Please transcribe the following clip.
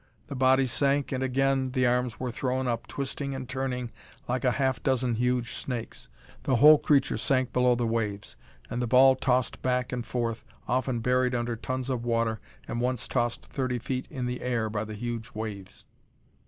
The body sank and again the arms were thrown up, twisting and turning like a half dozen huge snakes. The whole creature sank below the waves and the ball tossed back and forth, often buried under tons of water and once tossed thirty feet into the air by the huge waves.